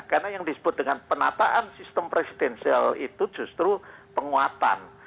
karena yang disebut dengan penataan sistem presidensial itu justru penguatan